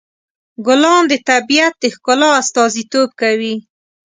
ګلان د طبیعت د ښکلا استازیتوب کوي.